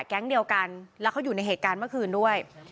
แก๊งเดียวกันแล้วเขาอยู่ในเหตุการณ์เมื่อคืนด้วย